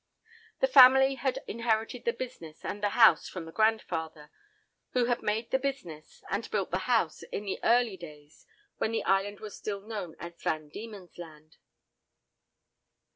The family had inherited the business and the house from the grandfather, who had made the business, and built the house in the early days when the island was still known as Van Diemen's Land.